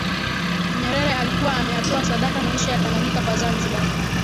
Nyerere alikuwa ameyatoa sadaka maisha ya Tanganyika kwa Zanzibar